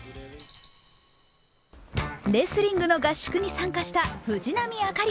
レスリングの合宿に参加した藤波朱理。